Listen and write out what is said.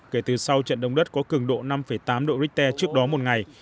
kể từ sau trận động đất có cường độ năm tám độ richter trước đó một ngày